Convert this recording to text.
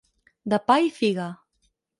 De pa i figa.